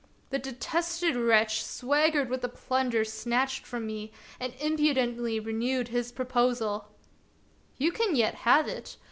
The detested wretch swaggered with the plunder snatched from me and impu dently renewed his proposal: — "You can yet have it.